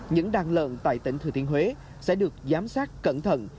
những đàn lợn tại tỉnh thừa thiên huế sẽ được giám sát cẩn thận